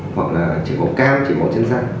hoặc là chỉ có cam chỉ có chân da